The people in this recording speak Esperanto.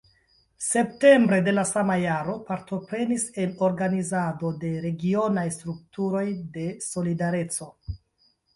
Septembre de la sama jaro partoprenis en organizado de regionaj strukturoj de "Solidareco".